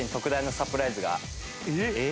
えっ？